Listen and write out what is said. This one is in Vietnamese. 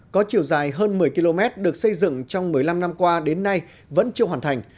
có chiều dài hơn một mươi km được xây dựng trong một mươi năm năm qua đến nay vẫn chưa hoàn thành